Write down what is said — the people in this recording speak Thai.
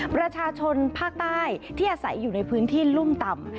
ประชาชนภาคใต้ที่อาศัยอยู่ในพื้นที่ลุ่มต่ำ